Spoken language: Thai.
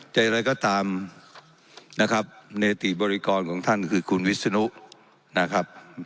ใจแล้วก็ตามเนรติบริการของท่านก็คือคุณวิศนุนะครับ